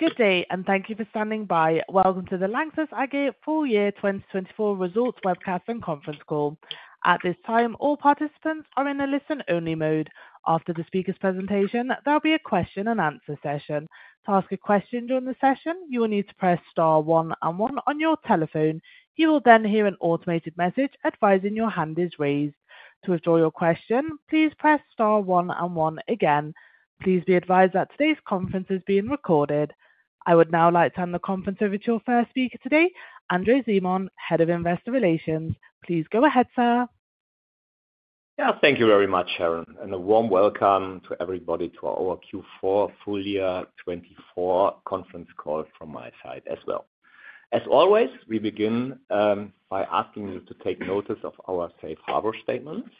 Good day, and thank you for standing by. Welcome to the LANXESS AG Full Year 2024 Results Webcast and Conference Call. At this time, all participants are in a listen-only mode. After the speaker's presentation, there'll be a question-and-answer session. To ask a question during the session, you will need to press star one and one on your telephone. You will then hear an automated message advising your hand is raised. To withdraw your question, please press star one and one again. Please be advised that today's conference is being recorded. I would now like to hand the conference over to your first speaker today, André Simon, Head of Investor Relations. Please go ahead, sir. Yeah, thank you very much, Sharon, and a warm welcome to everybody to our Q4 Full Year 2024 Conference Call from my side as well. As always, we begin by asking you to take notice of our safe harbor statements.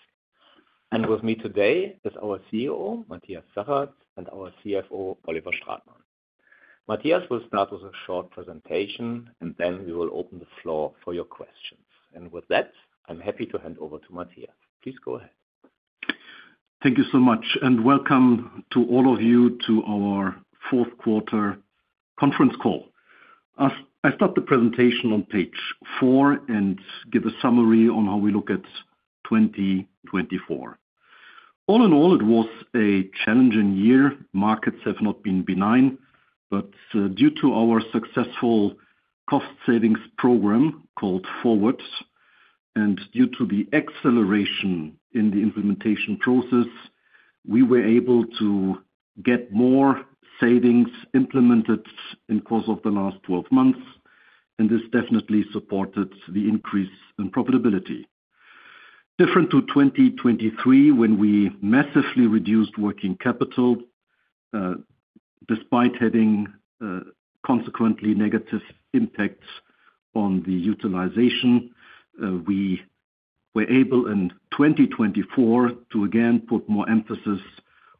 With me today is our CEO, Matthias Zachert, and our CFO, Oliver Stratmann. Matthias will start with a short presentation, and then we will open the floor for your questions. With that, I'm happy to hand over to Matthias. Please go ahead. Thank you so much, and welcome to all of you to our fourth quarter conference call. I'll start the presentation on page four and give a summary on how we look at 2024. All in all, it was a challenging year. Markets have not been benign, but due to our successful cost savings program called FORWARD! and due to the acceleration in the implementation process, we were able to get more savings implemented in the course of the last 12 months, and this definitely supported the increase in profitability. Different to 2023, when we massively reduced working capital, despite having consequently negative impacts on the utilization, we were able in 2024 to again put more emphasis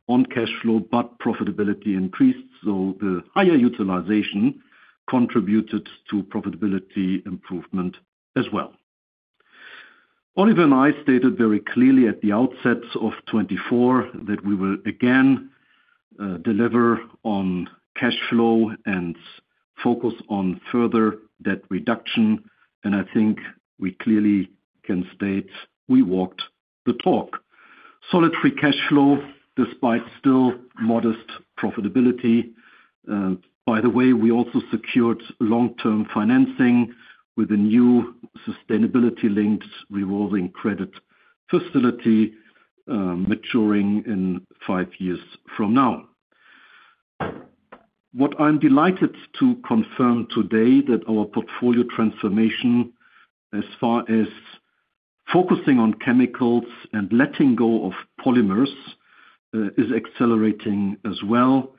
on cash flow, but profitability increased, so the higher utilization contributed to profitability improvement as well. Oliver and I stated very clearly at the outset of 2024 that we will again deliver on cash flow and focus on further debt reduction, and I think we clearly can state we walked the talk. Solid free cash flow, despite still modest profitability. By the way, we also secured long-term financing with a new sustainability-linked revolving credit facility maturing in five years from now. What I am delighted to confirm today is that our portfolio transformation, as far as focusing on chemicals and letting go of polymers, is accelerating as well.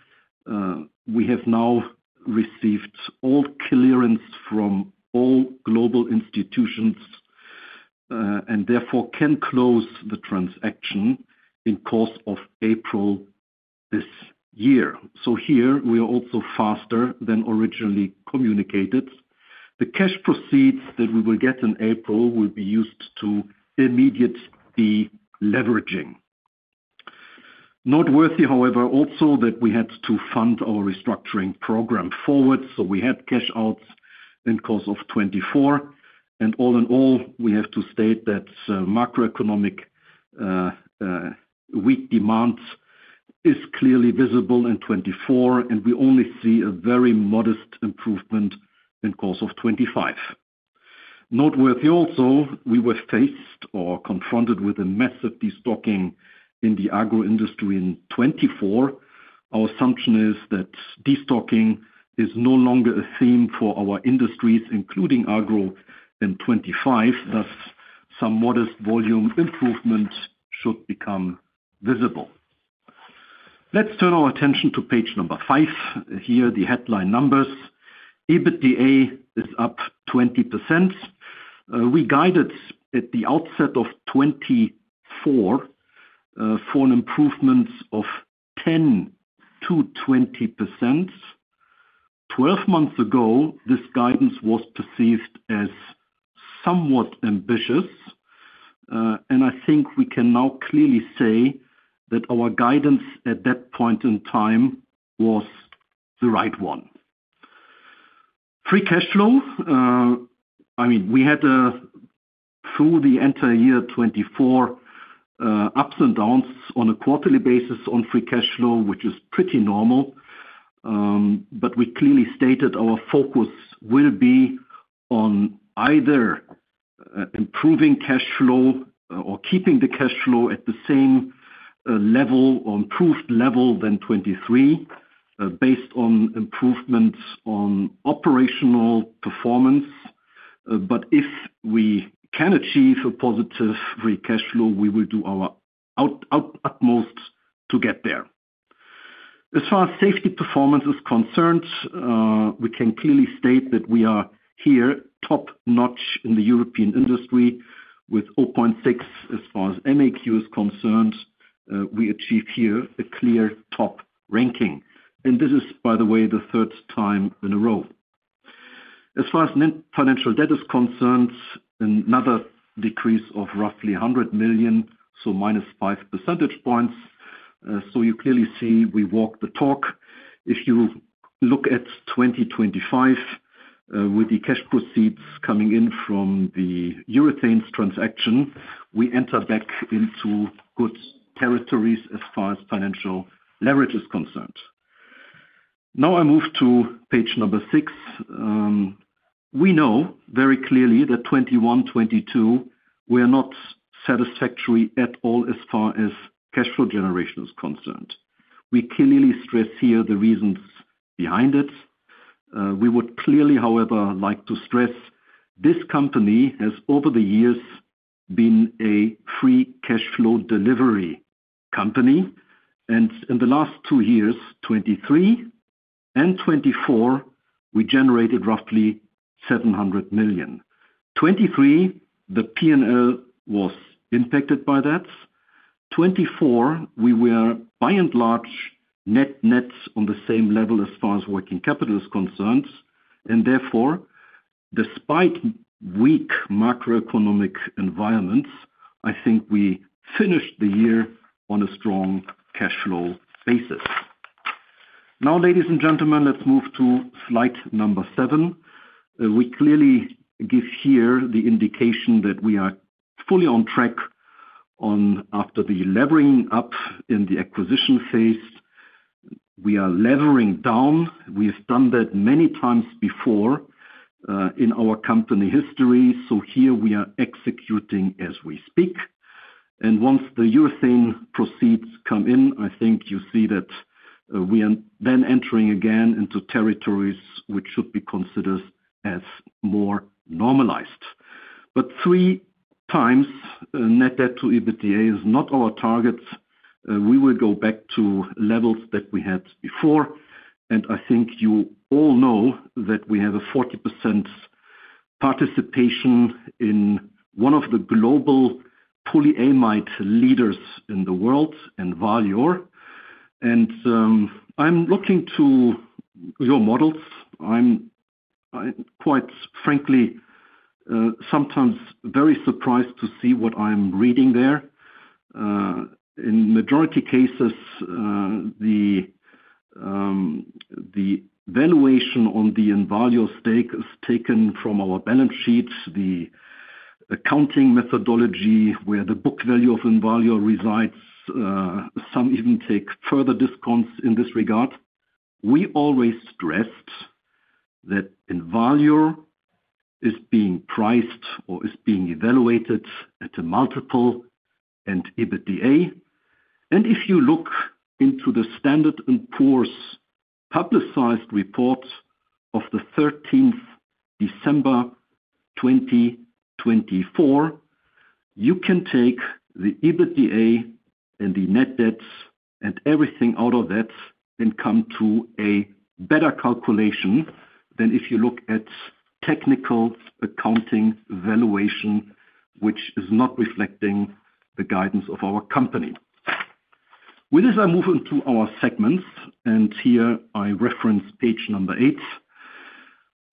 We have now received all clearance from all global institutions and therefore can close the transaction in course of April this year. Here, we are also faster than originally communicated. The cash proceeds that we will get in April will be used to immediate deleveraging. Noteworthy, however, also that we had to fund our restructuring program forward, so we had cash outs in course of 2024. All in all, we have to state that macroeconomic weak demand is clearly visible in 2024, and we only see a very modest improvement in course of 2025. Noteworthy also, we were faced or confronted with a massive destocking in the agro industry in 2024. Our assumption is that destocking is no longer a theme for our industries, including agro in 2025. Thus, some modest volume improvement should become visible. Let's turn our attention to page number five. Here, the headline numbers. EBITDA is up 20%. We guided at the outset of 2024 for an improvement of 10%-20%. Twelve months ago, this guidance was perceived as somewhat ambitious, and I think we can now clearly say that our guidance at that point in time was the right one. Free cash flow, I mean, we had through the entire year 2024 ups and downs on a quarterly basis on free cash flow, which is pretty normal, but we clearly stated our focus will be on either improving cash flow or keeping the cash flow at the same level or improved level than 2023, based on improvements on operational performance. If we can achieve a positive free cash flow, we will do our utmost to get there. As far as safety performance is concerned, we can clearly state that we are here top-notch in the European industry with 0.6 as far as MAQ is concerned. We achieve here a clear top ranking, and this is, by the way, the third time in a row. As far as financial debt is concerned, another decrease of roughly 100 million, so -5 percentage points. You clearly see we walk the talk. If you look at 2025, with the cash proceeds coming in from the urethane transaction, we enter back into good territories as far as financial leverage is concerned. Now I move to page number six. We know very clearly that 2021, 2022, we are not satisfactory at all as far as cash flow generation is concerned. We clearly stress here the reasons behind it. We would clearly, however, like to stress this company has over the years been a free cash flow delivery company. In the last two years, 2023 and 2024, we generated roughly 700 million. 2023, the P&L was impacted by that. 2024, we were by and large net-nets on the same level as far as working capital is concerned. Therefore, despite weak macroeconomic environments, I think we finished the year on a strong cash flow basis. Now, ladies and gentlemen, let's move to slide number seven. We clearly give here the indication that we are fully on track after the levering up in the acquisition phase. We are levering down. We have done that many times before in our company history. Here, we are executing as we speak. Once the urethane proceeds come in, I think you see that we are then entering again into territories which should be considered as more normalized. 3x net debt to EBITDA is not our target. We will go back to levels that we had before. I think you all know that we have a 40% participation in one of the global polyamide leaders in the world, Envalior. I'm looking to your models. I'm quite frankly sometimes very surprised to see what I'm reading there. In majority cases, the valuation on the Envalior stake is taken from our balance sheets, the accounting methodology where the book value of Envalior resides. Some even take further discounts in this regard. We always stressed that Envalior is being priced or is being evaluated at a multiple and EBITDA. If you look into the Standard & Poor's publicized report of the 13th of December 2024, you can take the EBITDA and the net debts and everything out of that and come to a better calculation than if you look at technical accounting valuation, which is not reflecting the guidance of our company. With this, I move into our segments, and here I reference page number eight.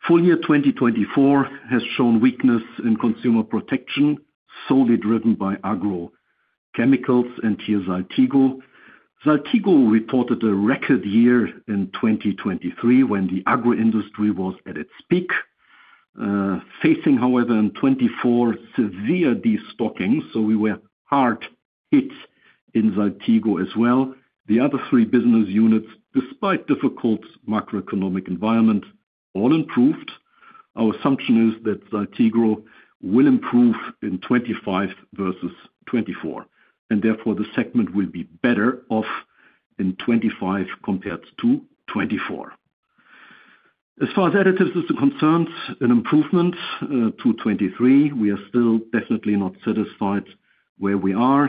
Full year 2024 has shown weakness in consumer protection, solely driven by agro chemicals and here Saltigo. Saltigo reported a record year in 2023 when the agro industry was at its peak, facing, however, in 2024, severe destocking. We were hard hit in Saltigo as well. The other three business units, despite difficult macroeconomic environment, all improved. Our assumption is that Saltigo will improve in 2025 versus 2024, and therefore the segment will be better off in 2025 compared to 2024. As far as additives are concerned, an improvement to 2023. We are still definitely not satisfied where we are.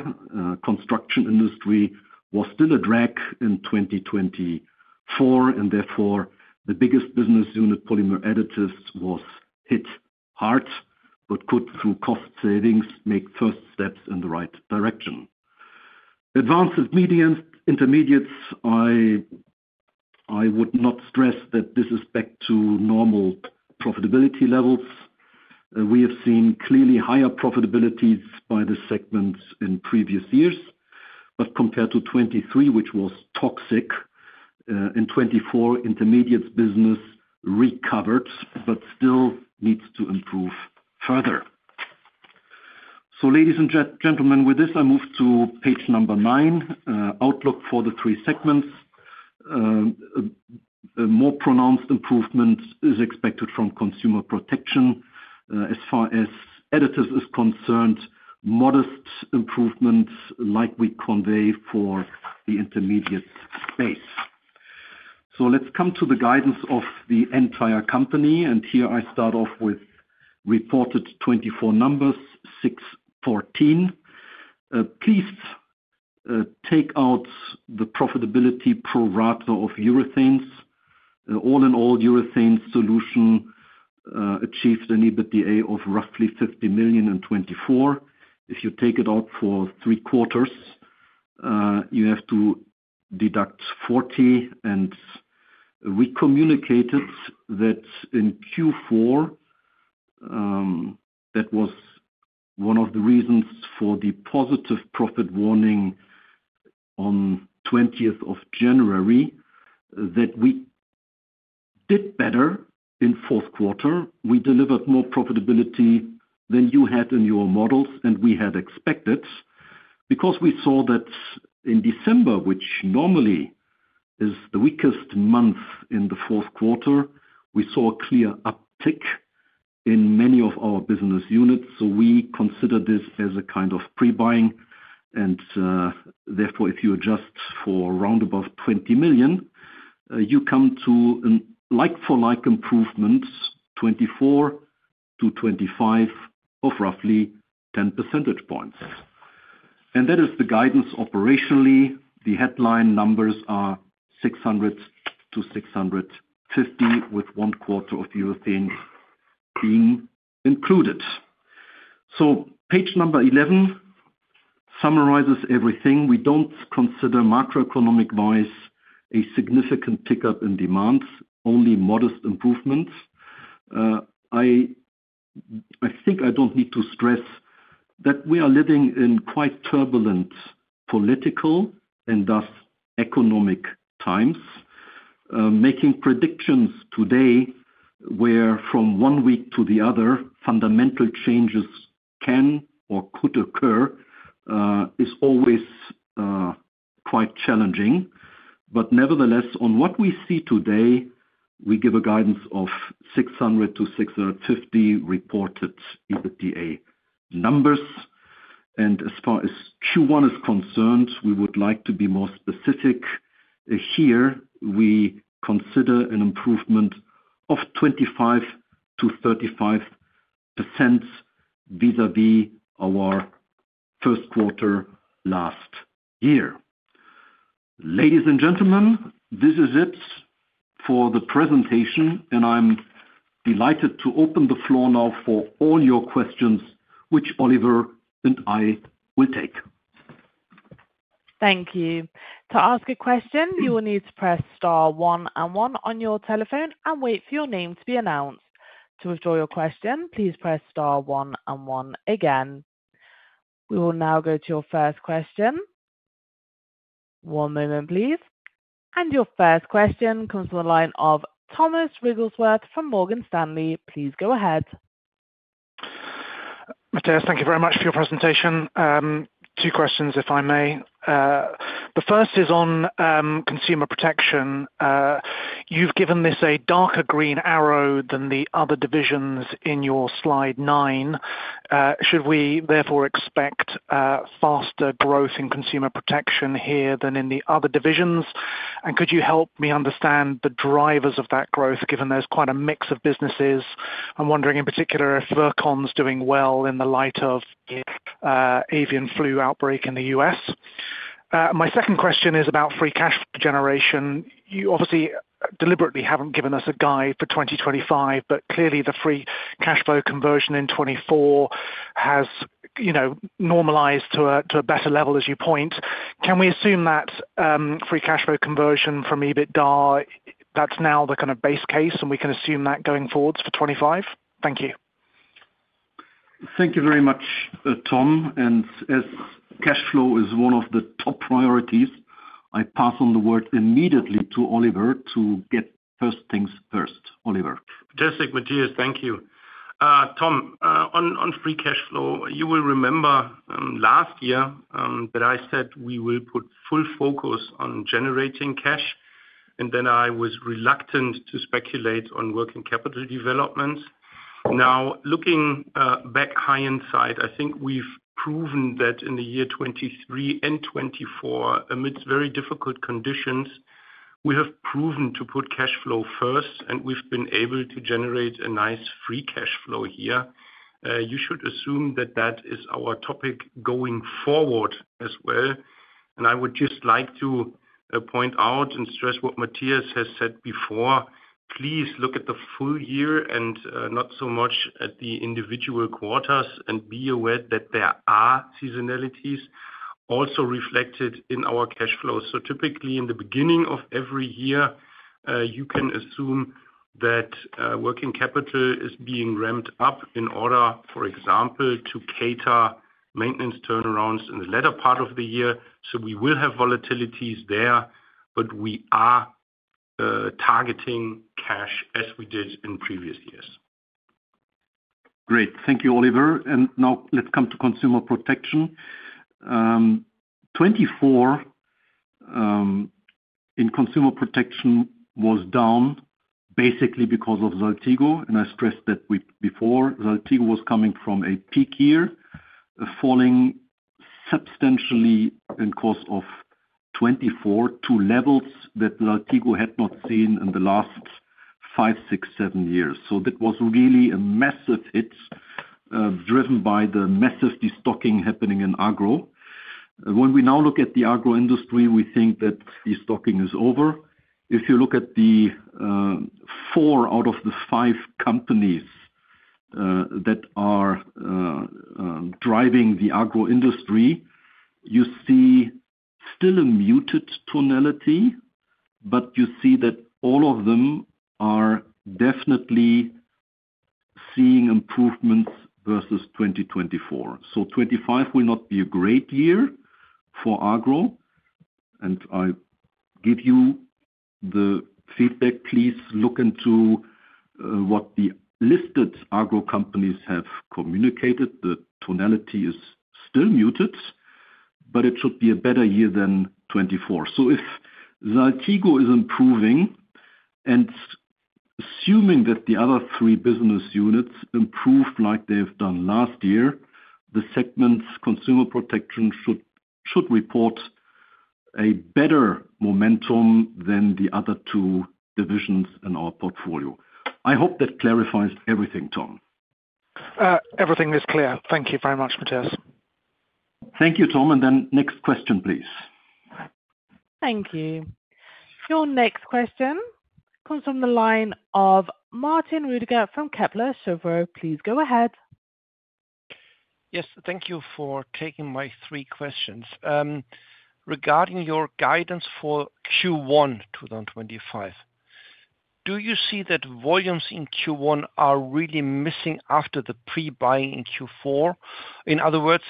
Construction industry was still a drag in 2024, and therefore the biggest business unit, polymer additives, was hit hard, but could, through cost savings, make first steps in the right direction. Advanced and medium intermediates, I would not stress that this is back to normal profitability levels. We have seen clearly higher profitabilities by the segments in previous years, but compared to 2023, which was toxic, in 2024, Intermediates business recovered, but still needs to improve further. Ladies and gentlemen, with this, I move to page number nine, outlook for the three segments. A more pronounced improvement is expected from consumer protection. As far as additives are concerned, modest improvement, like we convey for the intermediate space. Let's come to the guidance of the entire company. Here, I start off with reported 2024 numbers, 614 million. Please take out the profitability per rata of urethanes. All in all, Urethane Solutions achieved an EBITDA of roughly 50 million in 2024. If you take it out for three quarters, you have to deduct 40 million. We communicated that in Q4, that was one of the reasons for the positive profit warning on 20th of January, that we did better in fourth quarter. We delivered more profitability than you had in your models, and we had expected. Because we saw that in December, which normally is the weakest month in the fourth quarter, we saw a clear uptick in many of our business units. We consider this as a kind of pre-buying. Therefore, if you adjust for roundabout 20 million, you come to like-for-like improvements, 2024 to 2025, of roughly 10 percentage points. That is the guidance operationally. The headline numbers are 600 million-650 million, with one quarter of urethane being included. Page number 11 summarizes everything. We do not consider macroeconomic wise a significant pickup in demand, only modest improvements. I think I don't need to stress that we are living in quite turbulent political and thus economic times. Making predictions today where from one week to the other, fundamental changes can or could occur is always quite challenging. Nevertheless, on what we see today, we give a guidance of 600 million-650 million reported EBITDA numbers. As far as Q1 is concerned, we would like to be more specific here. We consider an improvement of 25%-35% vis-à-vis our first quarter last year. Ladies and gentlemen, this is it for the presentation, and I'm delighted to open the floor now for all your questions, which Oliver and I will take. Thank you. To ask a question, you will need to press star one and one on your telephone and wait for your name to be announced. To withdraw your question, please press star one and one again. We will now go to your first question. One moment, please. Your first question comes from the line of Thomas Wrigglesworth from Morgan Stanley. Please go ahead. Matthias, thank you very much for your presentation. Two questions, if I may. The first is on consumer protection. You have given this a darker green arrow than the other divisions in your slide nine. Should we therefore expect faster growth in consumer protection here than in the other divisions? Could you help me understand the drivers of that growth, given there is quite a mix of businesses? I am wondering in particular if Virkon is doing well in the light of avian flu outbreak in the U.S. My second question is about free cash flow generation. You obviously deliberately have not given us a guide for 2025, but clearly the free cash flow conversion in 2024 has normalized to a better level, as you point. Can we assume that free cash flow conversion from EBITDA, that is now the kind of base case, and we can assume that going forward for 2025? Thank you. Thank you very much, Tom. As cash flow is one of the top priorities, I pass on the word immediately to Oliver to get first things first, Oliver. Fantastic, Matthias. Thank you. Tom, on free cash flow, you will remember last year that I said we will put full focus on generating cash, and then I was reluctant to speculate on working capital developments. Now, looking back, high insight, I think we've proven that in the year 2023 and 2024, amidst very difficult conditions, we have proven to put cash flow first, and we've been able to generate a nice free cash flow here. You should assume that that is our topic going forward as well. I would just like to point out and stress what Matthias has said before. Please look at the full year and not so much at the individual quarters, and be aware that there are seasonalities also reflected in our cash flow. Typically, in the beginning of every year, you can assume that working capital is being ramped up in order, for example, to cater maintenance turnarounds in the latter part of the year. We will have volatilities there, but we are targeting cash as we did in previous years. Great. Thank you, Oliver. Now let's come to consumer protection. 2024 in consumer protection was down basically because of Saltigo, and I stressed that before. Saltigo was coming from a peak year, falling substantially in the course of 2024 to levels that Saltigo had not seen in the last five, six, seven years. That was really a massive hit driven by the massive destocking happening in agro. When we now look at the agro industry, we think that destocking is over. If you look at the four out of the five companies that are driving the agro industry, you see still a muted tonality, but you see that all of them are definitely seeing improvements versus 2024. 2025 will not be a great year for agro. I give you the feedback. Please look into what the listed agro companies have communicated. The tonality is still muted, but it should be a better year than 2024. If Saltigo is improving and assuming that the other three business units improve like they have done last year, the segment's consumer protection should report a better momentum than the other two divisions in our portfolio. I hope that clarifies everything, Tom. Everything is clear. Thank you very much, Matthias. Thank you, Tom. Next question, please. Thank you. Your next question comes from the line of Martin Roediger from Kepler Cheuvreux. Please go ahead. Yes. Thank you for taking my three questions. Regarding your guidance for Q1 2025, do you see that volumes in Q1 are really missing after the pre-buying in Q4? In other words,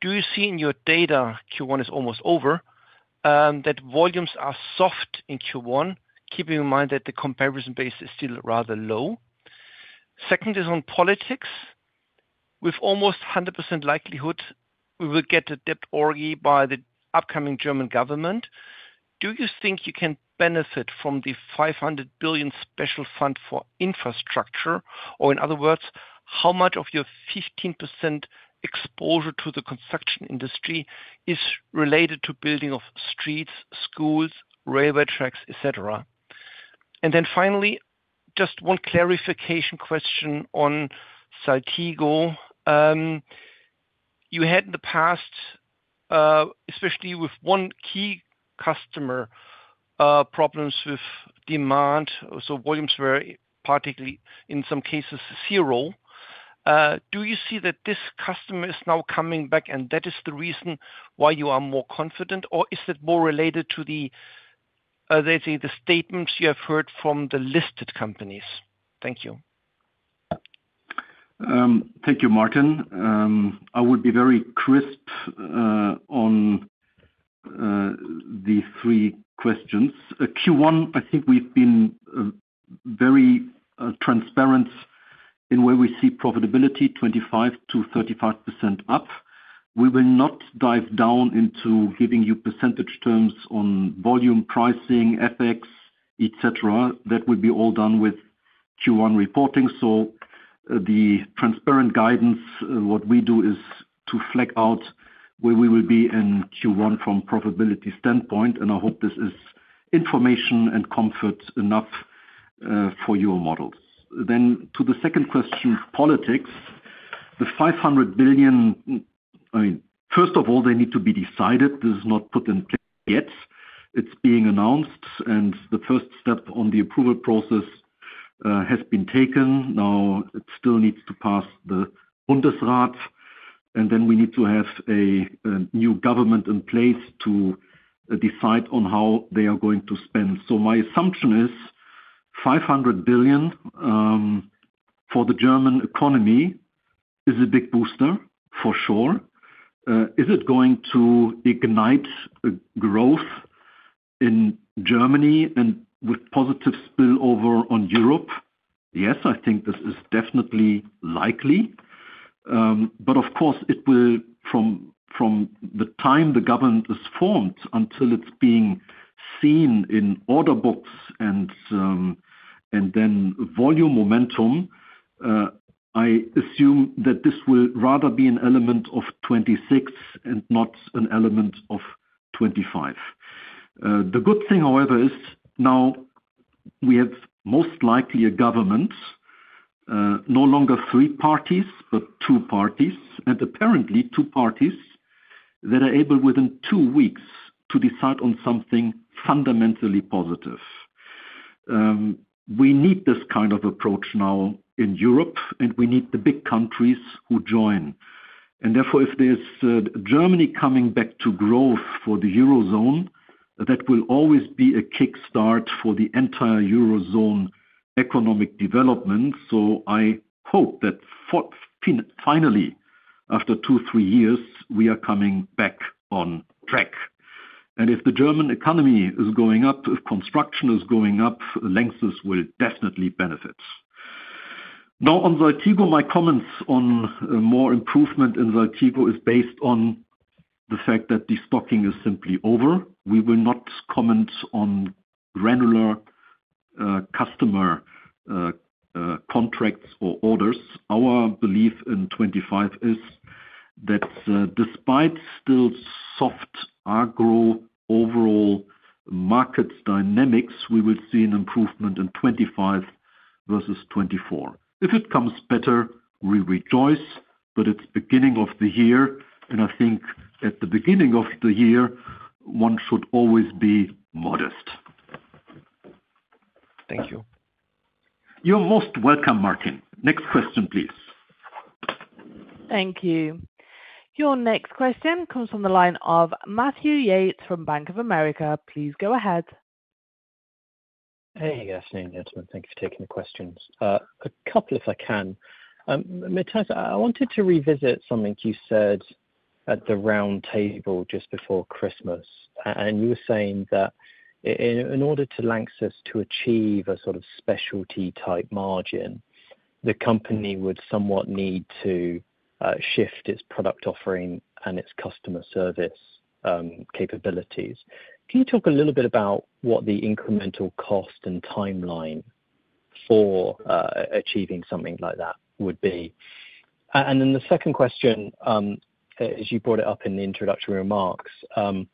do you see in your data, Q1 is almost over, that volumes are soft in Q1, keeping in mind that the comparison base is still rather low? Second is on politics. With almost 100% likelihood, we will get a debt orgy by the upcoming German government. Do you think you can benefit from the 500 billion special fund for infrastructure? In other words, how much of your 15% exposure to the construction industry is related to building of streets, schools, railway tracks, etc.? Finally, just one clarification question on Saltigo. You had in the past, especially with one key customer, problems with demand. So volumes were particularly, in some cases, zero. Do you see that this customer is now coming back, and that is the reason why you are more confident, or is that more related to the, let's say, the statements you have heard from the listed companies? Thank you. Thank you, Martin. I would be very crisp on the three questions. Q1, I think we've been very transparent in where we see profitability, 25%-35% up. We will not dive down into giving you percentage terms on volume, pricing, FX, etc. That will be all done with Q1 reporting. The transparent guidance, what we do is to flag out where we will be in Q1 from a profitability standpoint, and I hope this is information and comfort enough for your models. To the second question, politics. The 500 billion, I mean, first of all, they need to be decided. This is not put in place yet. It's being announced, and the first step on the approval process has been taken. Now, it still needs to pass the Bundesrat, and we need to have a new government in place to decide on how they are going to spend. My assumption is 500 billion for the German economy is a big booster, for sure. Is it going to ignite growth in Germany and with positive spillover on Europe? Yes, I think this is definitely likely. Of course, it will, from the time the government is formed until it's being seen in order books and then volume momentum, I assume that this will rather be an element of 2026 and not an element of 2025. The good thing, however, is now we have most likely a government, no longer three parties, but two parties, and apparently two parties that are able within two weeks to decide on something fundamentally positive. We need this kind of approach now in Europe, and we need the big countries who join. If there is Germany coming back to growth for the Eurozone, that will always be a kickstart for the entire Eurozone economic development. I hope that finally, after two, three years, we are coming back on track. If the German economy is going up, if construction is going up, LANXESS will definitely benefit. Now, on Saltigo, my comments on more improvement in Saltigo are based on the fact that destocking is simply over. We will not comment on granular customer contracts or orders. Our belief in 2025 is that despite still soft agro overall market dynamics, we will see an improvement in 2025 versus 2024. If it comes better, we rejoice, but it is beginning of the year, and I think at the beginning of the year, one should always be modest. Thank you. You are most welcome, Martin. Next question, please. Thank you. Your next question comes from the line of Matthew Yates from Bank of America. Please go ahead. Hey. Thank you for taking the questions. A couple, if I can. Matthias, I wanted to revisit something you said at the round table just before Christmas, and you were saying that in order to LANXESS to achieve a sort of specialty type margin, the company would somewhat need to shift its product offering and its customer service capabilities. Can you talk a little bit about what the incremental cost and timeline for achieving something like that would be? The second question, as you brought it up in the introductory remarks, I'll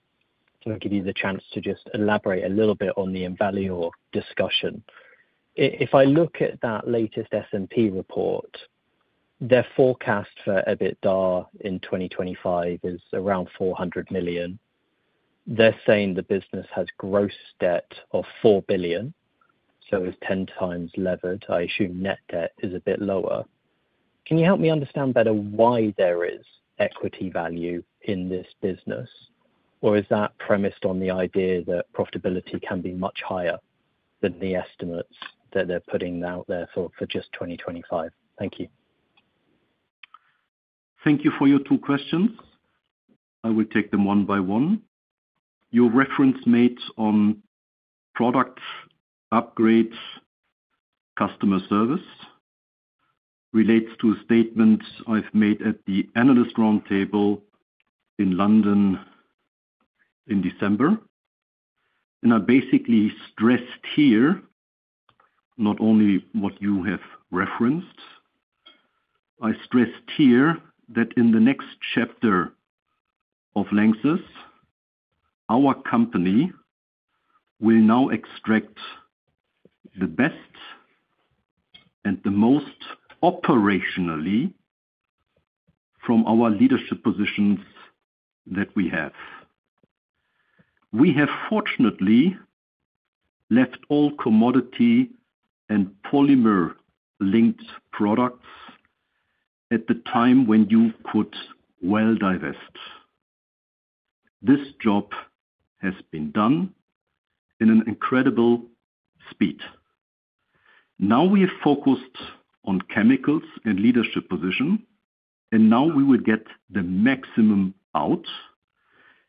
give you the chance to just elaborate a little bit on the value or discussion. If I look at that latest S&P report, their forecast for EBITDA in 2025 is around 400 million. They're saying the business has gross debt of 4 billion, so it's 10 times levered. I assume net debt is a bit lower. Can you help me understand better why there is equity value in this business, or is that premised on the idea that profitability can be much higher than the estimates that they're putting out there for just 2025? Thank you. Thank you for your two questions. I will take them one by one. Your reference made on product upgrades, customer service relates to a statement I've made at the Analyst Roundtable in London in December. I basically stressed here, not only what you have referenced, I stressed here that in the next chapter of LANXESS, our company will now extract the best and the most operationally from our leadership positions that we have. We have fortunately left all commodity and polymer-linked products at the time when you could well divest. This job has been done in an incredible speed. Now we have focused on chemicals and leadership position, and now we will get the maximum out,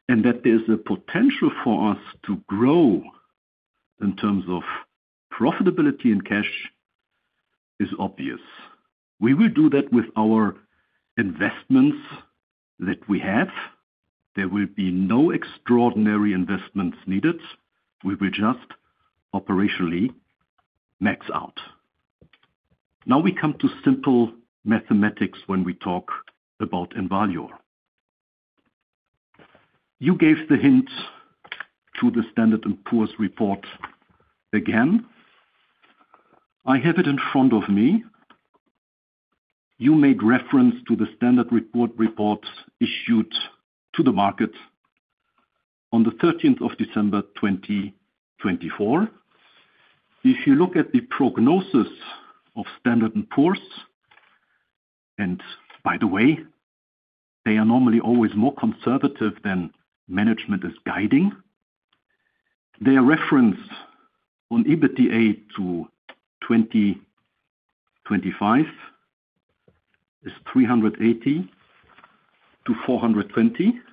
and that there's a potential for us to grow in terms of profitability in cash is obvious. We will do that with our investments that we have. There will be no extraordinary investments needed. We will just operationally max out. Now we come to simple mathematics when we talk about Envalior. You gave the hint to the Standard & Poor's report again. I have it in front of me. You made reference to the Standard & Poor's report issued to the market on the 13th of December 2024. If you look at the prognosis of Standard & Poor's, and by the way, they are normally always more conservative than management is guiding, their reference on EBITDA to 2025 is EUR 380 million-EUR 420 million,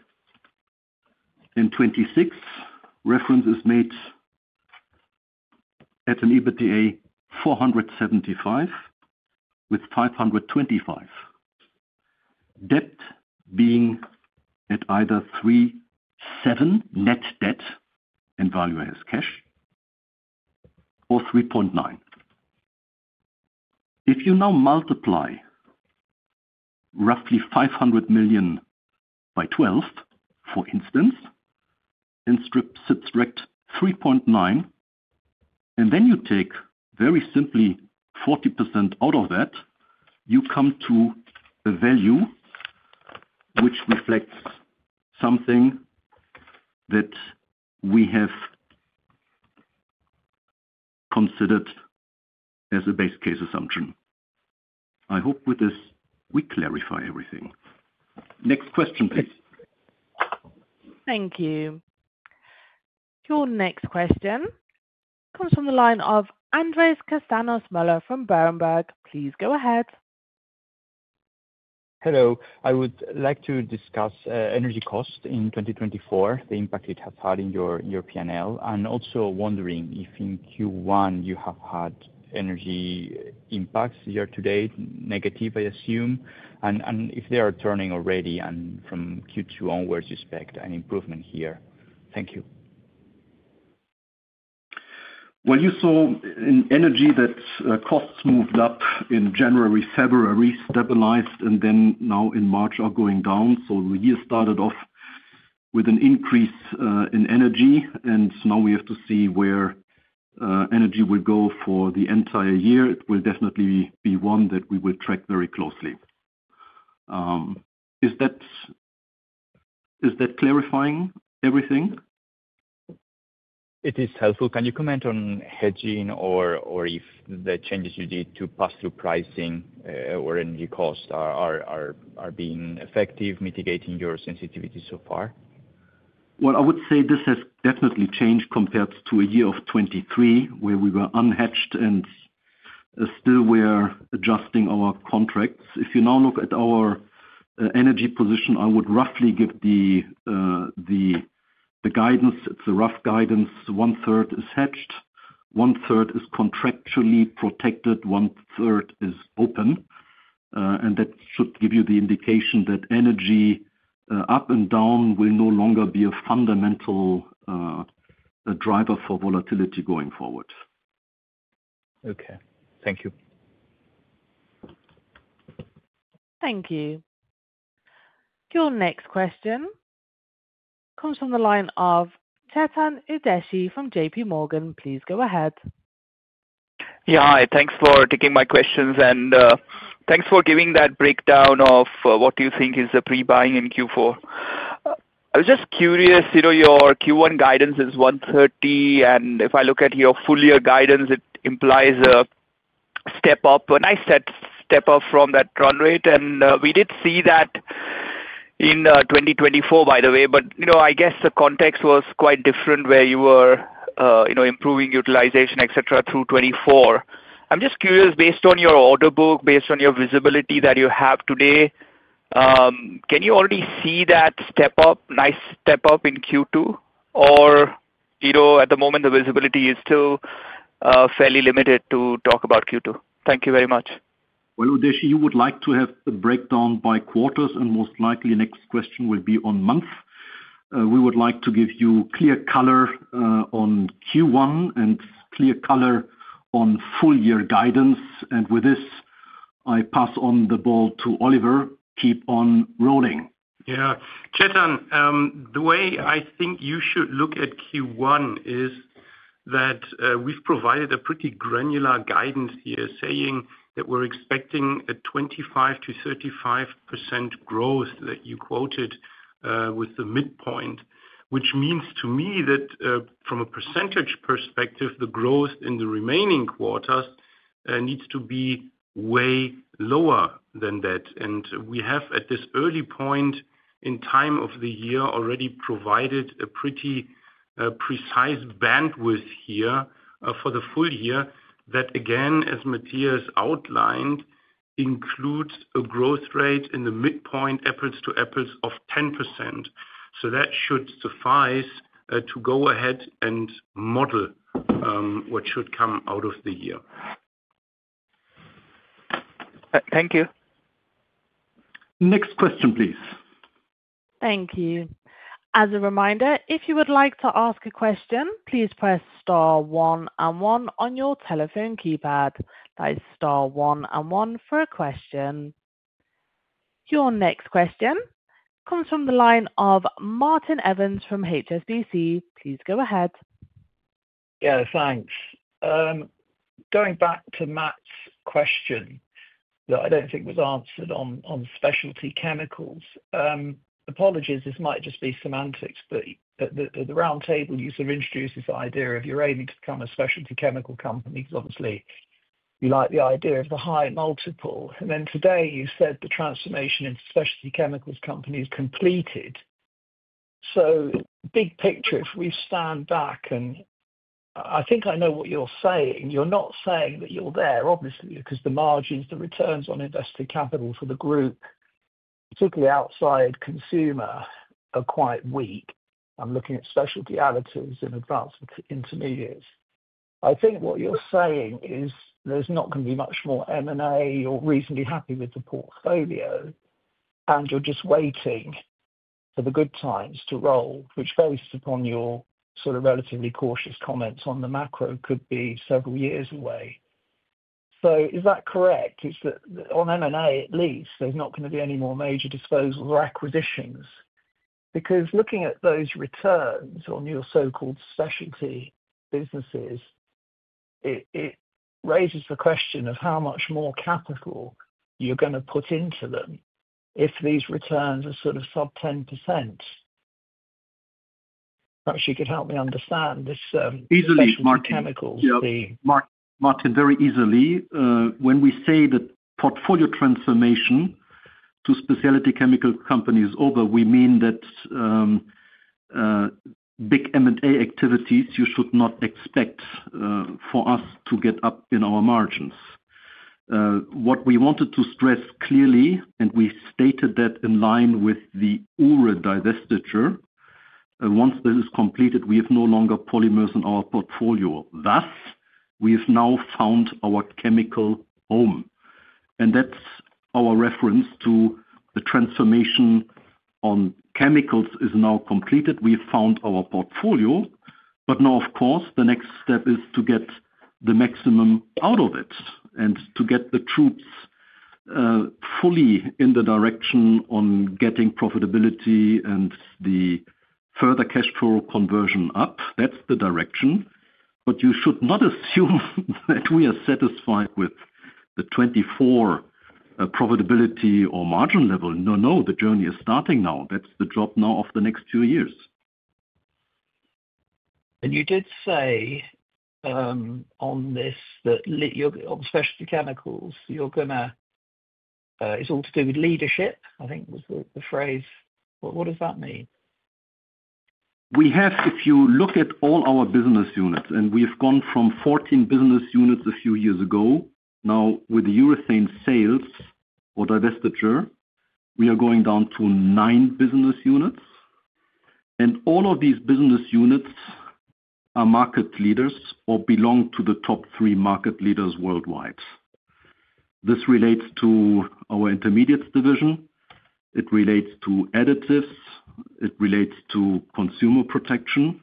and 2026 reference is made at an EBITDA 475 million with 525 million, debt being at either three, seven net debt and value as cash or 3.9. If you now multiply roughly 500 million by 12, for instance, and subtract 3.9, and then you take very simply 40% out of that, you come to a value which reflects something that we have considered as a base case assumption. I hope with this we clarify everything. Next question, please. Thank you. Your next question comes from the line of Andrés Castaños-Mollor from Berenberg. Please go ahead. Hello. I would like to discuss energy cost in 2024, the impact it has had in your P&L, and also wondering if in Q1 you have had energy impacts year to date, negative, I assume, and if they are turning already from Q2 onwards you expect an improvement here. Thank you. You saw in energy that costs moved up in January, February, stabilized, and now in March are going down. We started off with an increase in energy, and now we have to see where energy will go for the entire year. It will definitely be one that we will track very closely. Is that clarifying everything? It is helpful. Can you comment on hedging or if the changes you did to pass through pricing or energy cost are being effective, mitigating your sensitivity so far? I would say this has definitely changed compared to a year of 2023 where we were unhedged and still were adjusting our contracts. If you now look at our energy position, I would roughly give the guidance, it's a rough guidance, 1/3 is hedged, 1/3 is contractually protected, 1/3 is open, and that should give you the indication that energy up and down will no longer be a fundamental driver for volatility going forward. Okay. Thank you. Thank you. Your next question comes from the line of Chetan Udeshi from JPMorgan. Please go ahead. Yeah. Hi. Thanks for taking my questions and thanks for giving that breakdown of what you think is the pre-buying in Q4. I was just curious, your Q1 guidance is 130, and if I look at your full year guidance, it implies a step up, a nice step up from that run rate. We did see that in 2024, by the way, but I guess the context was quite different where you were improving utilization, etc., through 2024. I'm just curious, based on your order book, based on your visibility that you have today, can you already see that step up, nice step up in Q2, or at the moment, the visibility is still fairly limited to talk about Q2? Thank you very much. Udeshi, you would like to have the breakdown by quarters, and most likely next question will be on month. We would like to give you clear color on Q1 and clear color on full year guidance. With this, I pass on the ball to Oliver. Keep on rolling. Yeah. Chetan, the way I think you should look at Q1 is that we've provided a pretty granular guidance here saying that we're expecting a 25%-35% growth that you quoted with the midpoint, which means to me that from a percentage perspective, the growth in the remaining quarters needs to be way lower than that. We have, at this early point in time of the year, already provided a pretty precise bandwidth here for the full year that, again, as Matthias outlined, includes a growth rate in the midpoint apples to apples of 10%. That should suffice to go ahead and model what should come out of the year. Thank you. Next question, please. Thank you. As a reminder, if you would like to ask a question, please press star one and one on your telephone keypad. That is star one and one for a question. Your next question comes from the line of Martin Evans from HSBC. Please go ahead. Yeah. Thanks. Going back to Matt's question that I do not think was answered on specialty chemicals, apologies, this might just be semantics, but at the round table, you sort of introduced this idea of you're aiming to become a specialty chemical company because obviously you like the idea of the high multiple. Today you said the transformation into specialty chemicals company is completed. Big picture, if we stand back, and I think I know what you're saying, you're not saying that you're there, obviously, because the margins, the returns on invested capital for the group, particularly outside consumer, are quite weak. I'm looking at specialty additives in Advanced Intermediates. I think what you're saying is there's not going to be much more M&A or reasonably happy with the portfolio, and you're just waiting for the good times to roll, which based upon your sort of relatively cautious comments on the macro could be several years away. Is that correct? It's that on M&A at least, there's not going to be any more major disposals or acquisitions because looking at those returns on your so-called specialty businesses, it raises the question of how much more capital you're going to put into them if these returns are sort of sub 10%. Perhaps you could help me understand this specialty chemicals theme. Easily, Martin. Martin, very easily. When we say the portfolio transformation to specialty chemical companies over, we mean that big M&A activities you should not expect for us to get up in our margins. What we wanted to stress clearly, and we stated that in line with the URE divestiture, once this is completed, we have no longer polymers in our portfolio. Thus, we have now found our chemical home. That is our reference to the transformation on chemicals is now completed. We have found our portfolio, but now, of course, the next step is to get the maximum out of it and to get the troops fully in the direction on getting profitability and the further cash flow conversion up. That is the direction. You should not assume that we are satisfied with the 2024 profitability or margin level. No, no, the journey is starting now. That is the job now of the next few years. You did say on this that on specialty chemicals, you are going to, it is all to do with leadership, I think was the phrase. What does that mean? We have, if you look at all our business units, and we have gone from 14 business units a few years ago. Now, with the urethane sales or divestiture, we are going down to nine business units. All of these business units are market leaders or belong to the top three market leaders worldwide. This relates to our Intermediates division. It relates to additives. It relates to consumer protection.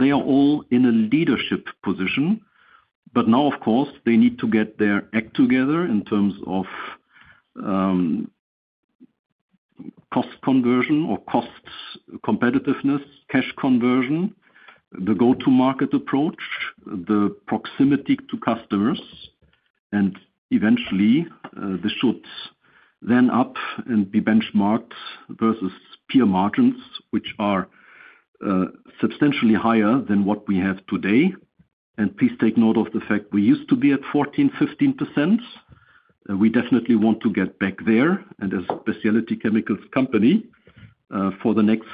They are all in a leadership position. Of course, they need to get their act together in terms of cost conversion or cost competitiveness, cash conversion, the go-to-market approach, the proximity to customers. Eventually, this should then up and be benchmarked versus peer margins, which are substantially higher than what we have today. Please take note of the fact we used to be at 14%, 15%. We definitely want to get back there. As a specialty chemicals company for the next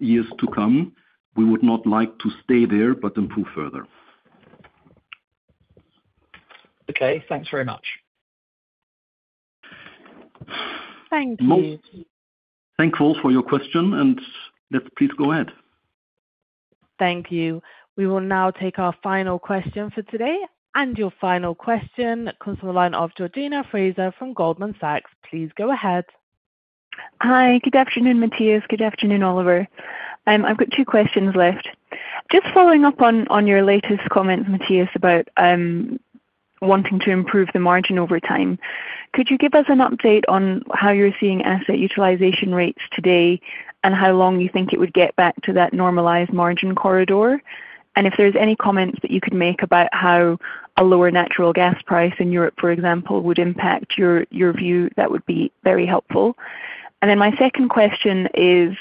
years to come, we would not like to stay there but improve further. Okay. Thanks very much. Thank you. Thank you all for your question, and please go ahead. Thank you. We will now take our final question for today. Your final question comes from the line of Georgina Fraser from Goldman Sachs. Please go ahead. Hi. Good afternoon, Matthias. Good afternoon, Oliver. I've got two questions left. Just following up on your latest comments, Matthias, about wanting to improve the margin over time, could you give us an update on how you're seeing asset utilization rates today and how long you think it would get back to that normalized margin corridor? If there are any comments that you could make about how a lower natural gas price in Europe, for example, would impact your view, that would be very helpful. My second question is,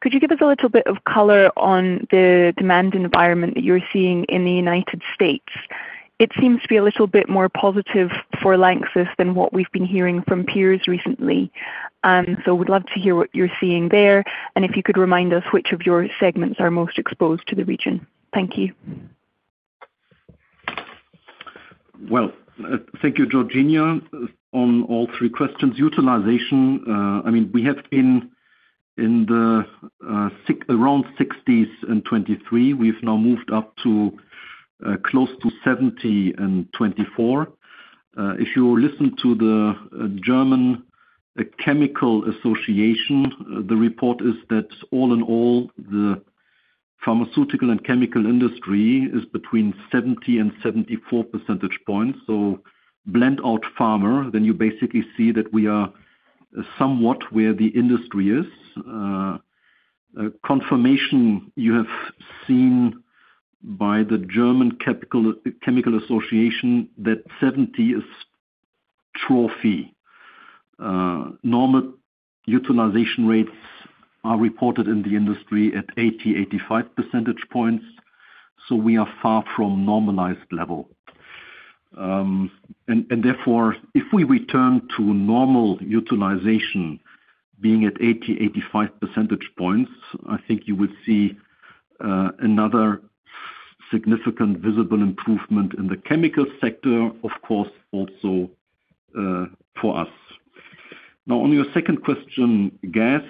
could you give us a little bit of color on the demand environment that you are seeing in the United States? It seems to be a little bit more positive for LANXESS than what we have been hearing from peers recently. We would love to hear what you are seeing there. If you could remind us which of your segments are most exposed to the region. Thank you. Thank you, Georgina, on all three questions. Utilization, I mean, we have been in the around 60s in 2023. We have now moved up to close to 70 in 2024. If you listen to the German Chemical Association, the report is that all in all, the pharmaceutical and chemical industry is between 70 percentage points and 74 percentage points. Blend out pharma, then you basically see that we are somewhat where the industry is. Confirmation you have seen by the German Chemical Association that 70 is trophy. Normal utilization rates are reported in the industry at 80 percentage points, 85 percentage points. We are far from normalized level. Therefore, if we return to normal utilization being at 80 percentage points, 85 percentage points, I think you would see another significant visible improvement in the chemical sector, of course, also for us. Now, on your second question, gas,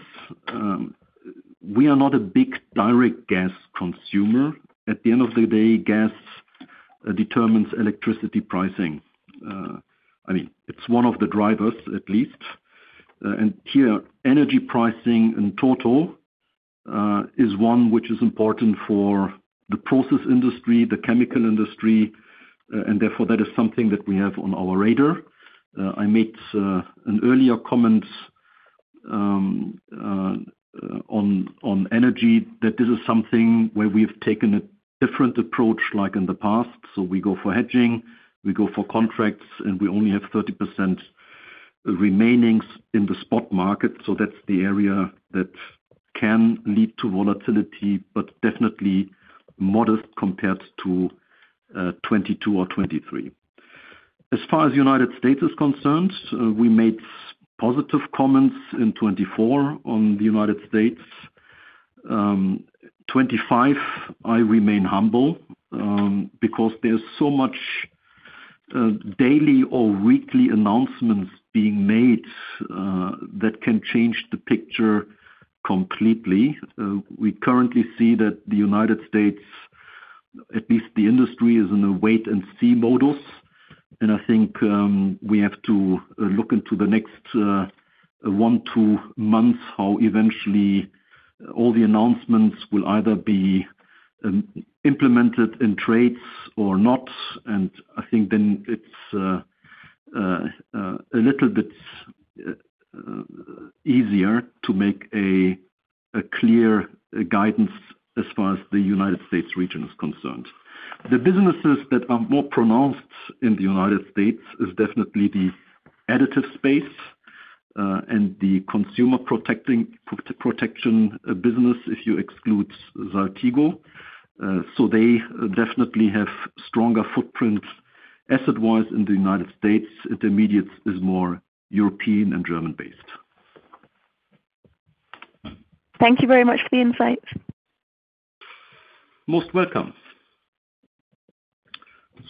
we are not a big direct gas consumer. At the end of the day, gas determines electricity pricing. I mean, it's one of the drivers, at least. Here, energy pricing in total is one which is important for the process industry, the chemical industry, and therefore that is something that we have on our radar. I made an earlier comment on energy that this is something where we've taken a different approach like in the past. We go for hedging, we go for contracts, and we only have 30% remaining in the spot market. That is the area that can lead to volatility, but definitely modest compared to 2022 or 2023. As far as the United States is concerned, we made positive comments in 2024 on the United States. For 2025, I remain humble because there is so much daily or weekly announcements being made that can change the picture completely. We currently see that the United States, at least the industry, is in a wait-and-see modus. I think we have to look into the next one to two months how eventually all the announcements will either be implemented in trades or not. I think then it's a little bit easier to make a clear guidance as far as the United States region is concerned. The businesses that are more pronounced in the United States is definitely the additive space and the consumer protection business if you exclude Saltigo. They definitely have stronger footprints asset-wise in the United States. Intermediates is more European and German-based. Thank you very much for the insights. Most welcome.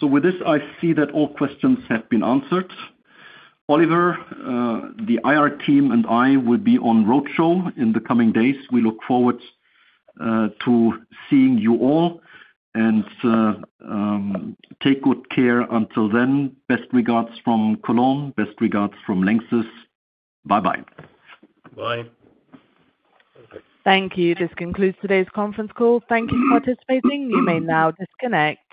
With this, I see that all questions have been answered. Oliver, the IR team and I will be on roadshow in the coming days. We look forward to seeing you all and take good care until then. Best regards from Cologne. Best regards from LANXESS. Bye-bye. Bye. Thank you. This concludes today's conference call. Thank you for participating. You may now disconnect.